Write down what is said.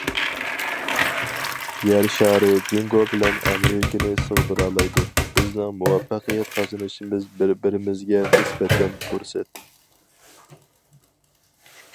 يەر شارى جۇڭگو بىلەن ئامېرىكىنى سىغدۇرالايدۇ، بىزنىڭ مۇۋەپپەقىيەت قازىنىشىمىز بىر- بىرىمىزگە نىسبەتەن پۇرسەت.